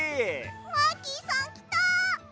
マーキーさんきた！